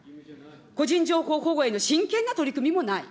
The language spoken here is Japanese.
個人情報保護への真剣な取り組みもない。